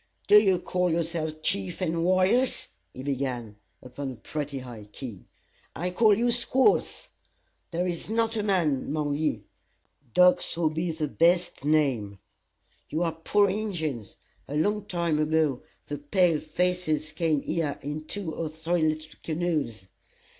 "D'ye call yourselves chiefs and warriors?" he began, upon a pretty high key. "I call ye squaws! There is not a man among ye. Dogs would be the best name. You are poor Injins. A long time ago, the pale faces came here in two or three little canoes.